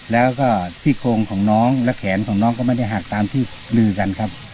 แล้วก็ซี่โครงของน้องและแขนของน้องก็ไม่ได้หักตามที่ลือกันครับ